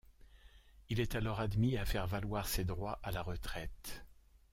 Il est alors admis à faire valoir ses droits à la retraite.